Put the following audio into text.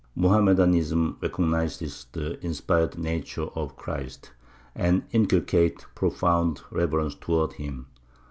Mohammedanism recognizes the inspired nature of Christ, and inculcates profound reverence towards him.